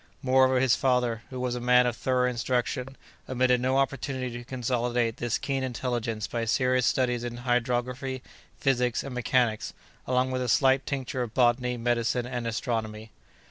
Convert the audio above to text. Moreover, his father, who was a man of thorough instruction, omitted no opportunity to consolidate this keen intelligence by serious studies in hydrography, physics, and mechanics, along with a slight tincture of botany, medicine, and astronomy.